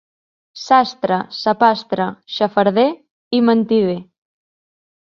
Sastre, sapastre, xafarder i mentider.